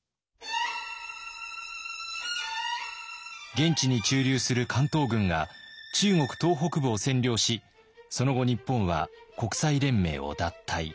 現地に駐留する関東軍が中国東北部を占領しその後日本は国際連盟を脱退。